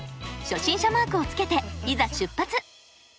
初心者マークをつけていざ出発！